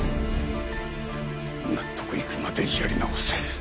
納得いくまでやり直せ